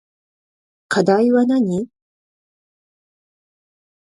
この課題はなに